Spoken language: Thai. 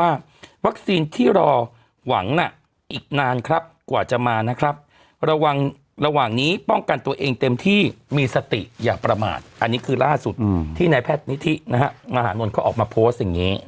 อันนี้คือล่าสุดที่ในแพทย์นิธินะฮะมหาลงนเขาออกมาโพสต์อย่างนี้เนอะ